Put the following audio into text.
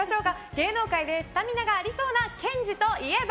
芸能界でスタミナがありそうなケンジといえば？